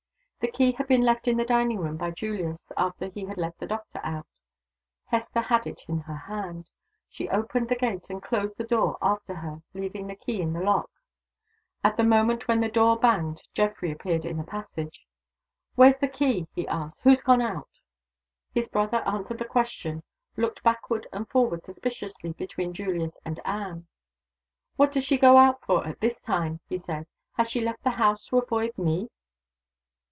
The key had been left in the dining room by Julius, after he had let the doctor out. Hester had it in her hand. She opened he gate and closed the door after her, leaving the key in the lock. At the moment when the door banged to Geoffrey appeared in the passage. "Where's the key?" he asked. "Who's gone out?" His brother answered the question. He looked backward and forward suspiciously between Julius and Anne. "What does she go out for at his time?" he said. "Has she left the house to avoid Me?"